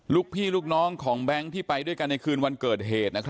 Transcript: ลูกพี่ลูกน้องของแบงค์ที่ไปด้วยกันในคืนวันเกิดเหตุ